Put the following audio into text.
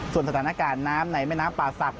ส่วนสถานการณ์น้ำในแม่น้ำป่าศักดิ